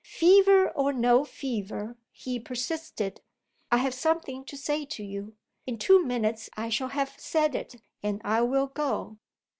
"Fever or no fever," he persisted, "I have something to say to you. In two minutes I shall have said it, and I will go."